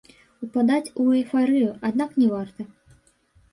Упадаць у эйфарыю, аднак, не варта.